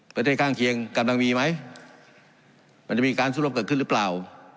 ประเทศข้างเคียงกำลังมีไหมมันจะมีการสู้รบเกิดขึ้นหรือเปล่า